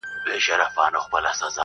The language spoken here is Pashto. په هفتو یې سره وکړل مجلسونه!!